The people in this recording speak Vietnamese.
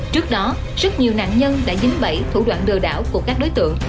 trước đó rất nhiều nạn nhân đã dính bẫy thủ đoạn lừa đảo của các đối tượng